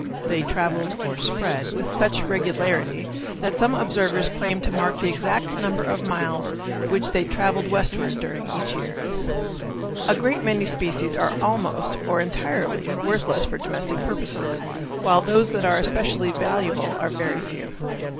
They traveled, or spread, with such regularity that some observers claimed to mark the exact number of miles which they traveled westward during each year. A great many species are almost, or entirely, worthless for domestic purposes, while those that are especially valuable are very few.